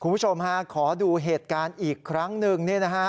คุณผู้ชมฮะขอดูเหตุการณ์อีกครั้งหนึ่ง